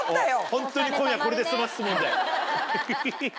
ホントに今夜これで済ますつもりだよ。